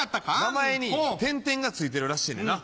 名前に点々がついてるらしいねんな。